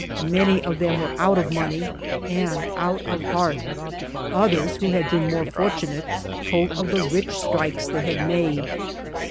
Many of them were out of money and out of heart. Others who had been more fortu nate told of the rich strikes they had made.